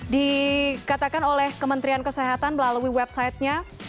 dikatakan oleh kementerian kesehatan melalui website nya